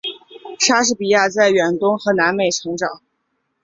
莎士比亚在远东和南美成长。